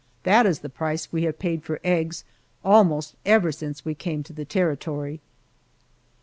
That is the price we have paid for eggs almost ever since we came to the Territory.